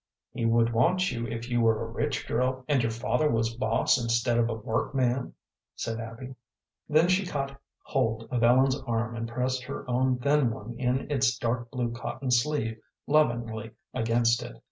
"He would want you if your were a rich girl, and your father was boss instead of a workman," said Abby. Then she caught hold of Ellen's arm and pressed her own thin one in its dark blue cotton sleeve lovingly against it.